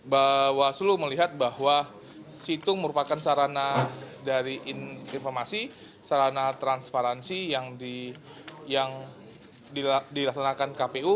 bawaslu melihat bahwa situng merupakan sarana dari informasi sarana transparansi yang dilaksanakan kpu